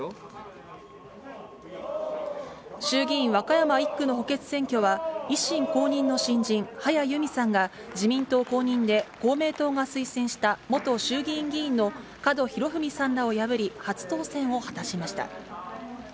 衆議院和歌山１区の補欠選挙は、維新公認の新人、林佑美さんが自民党公認で公明党が推薦した元衆議院議員の門博文さんらを破り、初当選を果たしました。